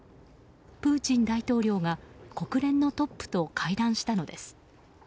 プーチン大統領が国連のトップと会談したのです。